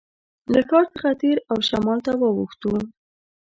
له ښار څخه تېر او شمال ته واوښتو.